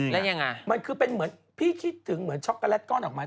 แล้วยังไงมันคือเป็นเหมือนพี่คิดถึงเหมือนช็อกโกแลตก้อนดอกไม้